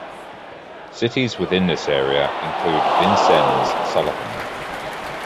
Cities within this area include Vincennes, Sullivan.